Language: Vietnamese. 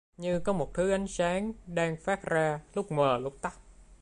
Nhưng có một thứ ánh sáng trắng đang phát ra lúc mờ lúc tắt